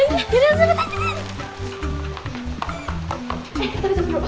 jangan jangan jangan